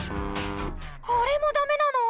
これもダメなの？